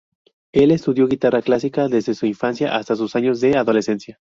Él estudió guitarra clásica desde su infancia hasta sus años de adolescencia.